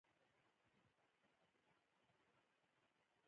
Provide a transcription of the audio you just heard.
باسواده نجونې د خپل هیواد جغرافیه پیژني.